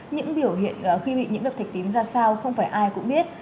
những biểu hiện khi bị nhiễm độc thạch tín ra sao không phải ai cũng biết